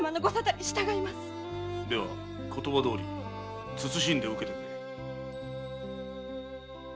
では言葉どおり謹んで受けてくれ。